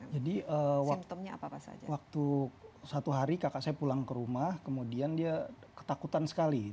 jadi waktu satu hari kakak saya pulang ke rumah kemudian dia ketakutan sekali